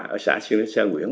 ở xã siêu ninh sơn nguyễn văn môn